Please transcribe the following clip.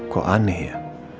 kok aneh ya